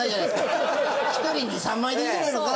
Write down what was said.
「１人２３枚でいいんじゃないのか？」